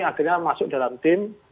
akhirnya masuk dalam tim